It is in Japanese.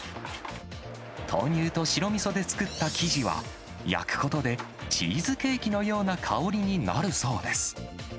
豆乳と白みそで作った生地は、焼くことでチーズケーキのような香りになるそうです。